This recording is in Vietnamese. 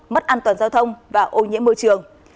mất an toàn giao thông và ô nhiễm môi trường